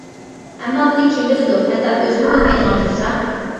ئەمما بۇنى كىم بىلىدۇ؟ ھەتتا ئۆزىمۇ بىلمەيدىغان تۇرسا.